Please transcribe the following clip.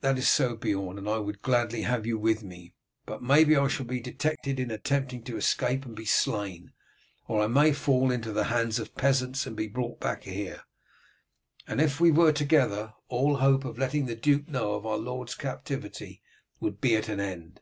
"That is so, Beorn, and I would gladly have you with me, but maybe I shall be detected in attempting to escape and be slain, or I may fall into the hands of peasants and be brought back here, and if we were together all hope of letting the duke know of our lord's captivity would be at an end.